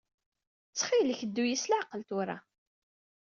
Ttxil-k, ddu-iyi s leɛqel tura.